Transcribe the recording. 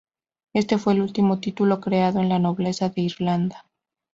Este fue el último título creado en la Nobleza de Irlanda.